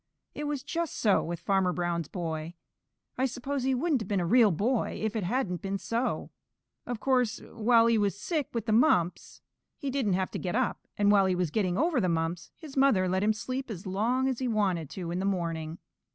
It was just so with Farmer Brown's boy. I suppose he wouldn't have been a real boy if it hadn't been so. Of course, while he was sick with the mumps, he didn't have to get up, and while he was getting over the mumps his mother let him sleep as long as he wanted to in the morning.